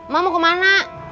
ma mau kemana